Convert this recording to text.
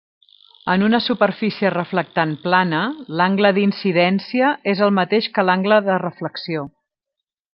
En una superfície reflectant plana, l'angle d'incidència és el mateix que l'angle de reflexió.